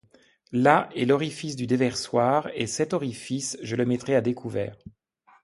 Là est l’orifice du déversoir, et cet orifice, je le mettrai à découvert